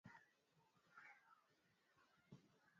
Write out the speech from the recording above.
takutana na victor abuso katika wimbi la siasa emanuel makunde